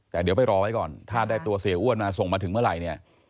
แต่เดี๋ยวไปรอไว้ก่อนถ้าได้ตัวเสียอ้วนมาส่งมาถึงเมื่อไหร่เนี่ย